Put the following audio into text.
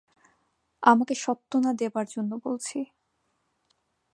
আমাকে সত্ত্বনা দেবার জন্য বলছি।